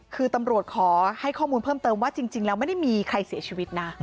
คือตำรวจขอให้ข้อมูลเพิ่มเติมว่าจริงแล้วไม่ได้มีใครเสียชีวิตนะ